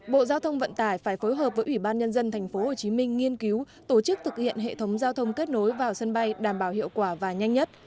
bộ giao thông vận tải phải phối hợp với ủy ban nhân dân tp hcm nghiên cứu tổ chức thực hiện hệ thống giao thông kết nối vào sân bay đảm bảo hiệu quả và nhanh nhất